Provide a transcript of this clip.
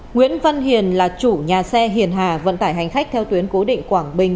nguyễn văn hiền là chủ nhà xe hiền hà vận tải hành khách theo tuyến cố định quảng bình